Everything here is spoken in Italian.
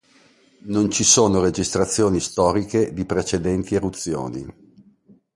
Non ci sono registrazioni storiche di precedenti eruzioni.